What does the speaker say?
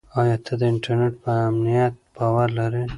آیا ته د انټرنیټ په امنیت باور لرې؟